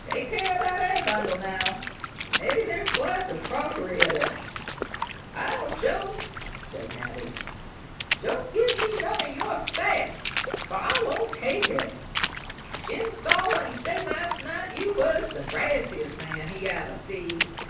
"Take care o' that air bundle, now; mebbe there's glass or crockery in't." "Hiel Jones," said Nabby, "don't give me none o' your saace, for I won't take it. Jim Sawin said last night you was the brassiest man he ever see.